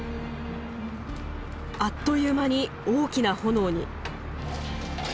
あっという間に大きな炎に。